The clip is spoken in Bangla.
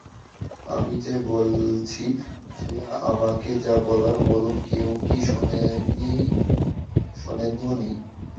আমি যে বলছি যে আমাকে যা বলার বলুন, কেউ কি শোনেনওনি?